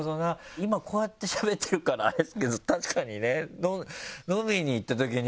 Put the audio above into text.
今こうやってしゃべってるからあれですけど確かにね飲みに行ったときに。